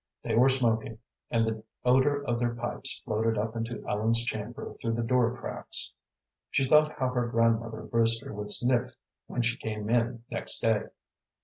They were smoking, and the odor of their pipes floated up into Ellen's chamber through the door cracks. She thought how her grandmother Brewster would sniff when she came in next day.